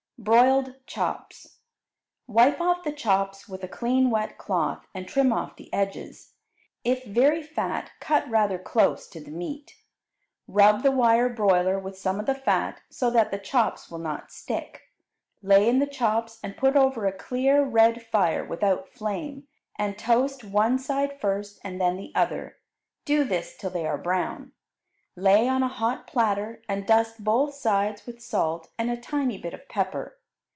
Broiled Chops Wipe off the chops with a clean wet cloth and trim off the edges; if very fat cut rather close to the meat. Rub the wire broiler with some of the fat, so that the chops will not stick. Lay in the chops and put over a clear, red fire without flame, and toast one side first and then the other; do this till they are brown. Lay on a hot platter, and dust both sides with salt and a tiny bit of pepper.